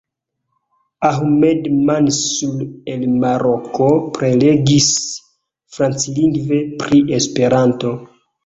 Ahmed Mansur el Maroko prelegis franclingve pri Esperanto.